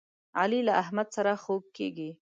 علي له احمد سره خوږ کېږي.